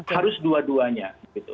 harus dua duanya gitu